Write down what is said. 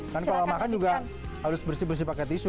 kan kalau makan juga harus bersih bersih pakai tisu